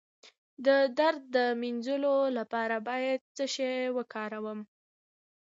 د درد د مینځلو لپاره باید څه شی وکاروم؟